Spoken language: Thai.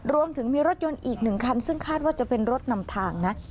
รวมถึงมีรถยนต์อีก๑คันซึ่งคาดว่าจะเป็นรถนำทางนะ